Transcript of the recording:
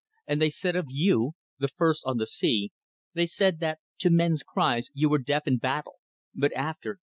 And they said of you the first on the sea they said that to men's cries you were deaf in battle, but after